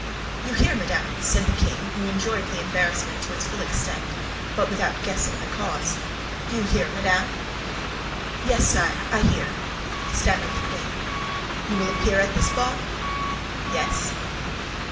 "You hear, madame," said the king, who enjoyed the embarrassment to its full extent, but without guessing the cause. "You hear, madame?" "Yes, sire, I hear," stammered the queen. "You will appear at this ball?" "Yes."